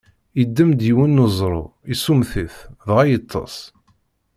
Iddem-d yiwen n uẓru, issummet-it, dɣa yeṭṭeṣ.